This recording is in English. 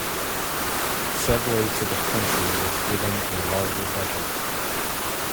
"Subway to the Country" was given a larger budget.